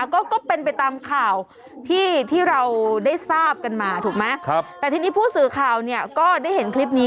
ก็เป็นไปตามข่าวที่เราได้ทราบกันมาถูกไหมแต่ทีนี้ผู้สื่อข่าวเนี่ยก็ได้เห็นคลิปนี้